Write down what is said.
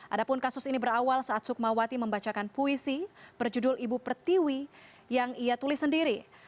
adapun kasus ini berawal saat sukmawati membacakan puisi berjudul ibu pertiwi yang ia tulis sendiri